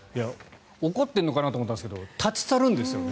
怒ってるのかなと思ったんですけど立ち去るんですよね。